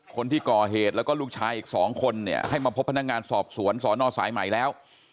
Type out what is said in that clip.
คนที่ก่อเหตุแล้วก็ลูกชายอีกสองคนเนี่ยให้มาพบพนักงานสอบสวนสอนอสายใหม่แล้ว